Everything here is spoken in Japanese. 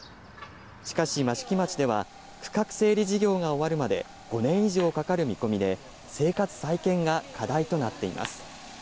しかし、益城町では、区画整理事業が終わるまで５年以上かかる見込みで、生活再建が課題となっています。